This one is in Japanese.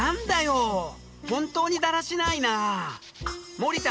森田！